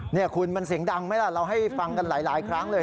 นี่คุณมันเสียงดังไหมล่ะเราให้ฟังกันหลายครั้งเลย